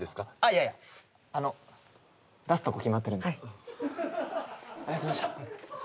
いやいやあの出すとこ決まってるんではいありがとうございました